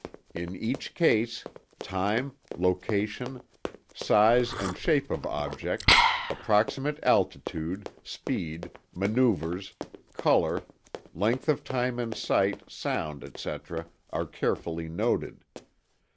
In each case, time, location, size and shape of object, approximate altitude, speed, maneuvers, color, length of time in sight, sound, etc., are carefully noted.